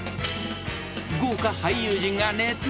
［豪華俳優陣が熱演］